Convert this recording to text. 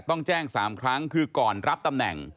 ต้องแจ้ง๓ครั้งคือก่อนรับตำแหน่ง